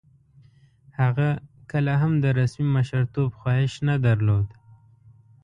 هغه کله هم د رسمي مشرتوب خواهیش نه درلود.